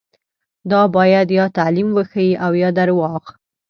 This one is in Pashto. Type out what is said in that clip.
دا باید یا تعلیم وښيي او یا درواغ.